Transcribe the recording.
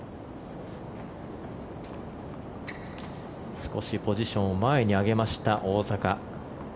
少しポジションを前に上げました大坂。